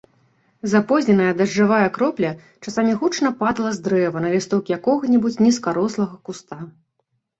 Запозненая дажджавая кропля часамі гучна падала з дрэва на лісток якога-небудзь нізкарослага куста.